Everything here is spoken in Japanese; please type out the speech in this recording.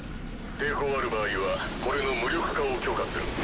抵抗ある場合はこれの無力化を許可する。